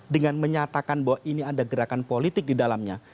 dengan menyatakan bahwa ini ada gerakan politik di dalamnya